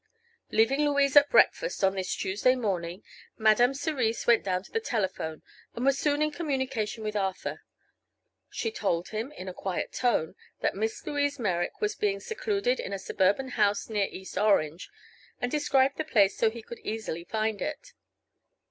Leaving Louise at breakfast on this Tuesday morning Madame Cerise went down to the telephone and was soon in communication with Arthur. She told him, in a quiet tone, that Miss Louise Merrick was being secluded in a suburban house near East Orange, and described the place so he could easily find it.